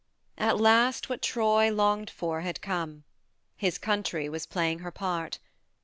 At last what Troy longed for had come : his country was playing her part.